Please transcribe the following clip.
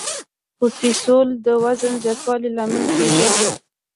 کورټیسول د وزن زیاتوالي لامل کېږي.